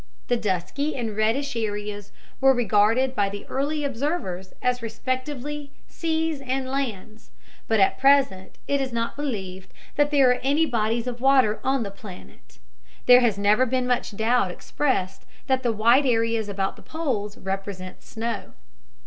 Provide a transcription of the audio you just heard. The dusky and reddish areas were regarded by the early observers as respectively seas and lands, but at present it is not believed that there are any bodies of water on the planet. There has never been much doubt expressed that the white areas about the poles represent snow.